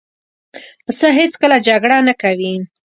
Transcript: پسه هېڅکله جګړه نه کوي.